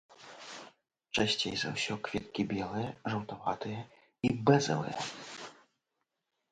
Часцей за ўсё кветкі белыя, жаўтаватыя і бэзавыя.